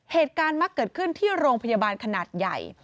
เหตุการณ์มักเกิดขึ้นที่โรงพยาบาลขนาดใหญ่